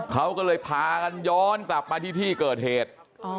เขาก็เลยพากันย้อนกลับมาที่ที่เกิดเหตุ